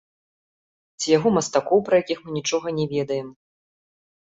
Ці яго мастакоў, пра якіх мы нічога не ведаем.